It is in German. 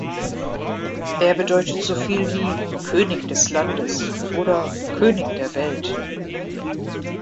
Er bedeutet so viel wie „König des Landes“ oder „König der Welt“.